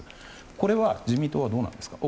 これは自民党はどうなんですか？